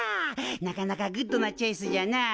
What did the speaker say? なかなかグッドなチョイスじゃなあ。